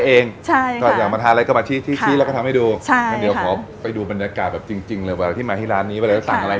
เขาจะทำอะไรกับบ้านนะครับมาไปดูเลยครับผมได้ค่ะเขาจะทำอะไรกับบ้านนะครับมาไปดูเลยครับผม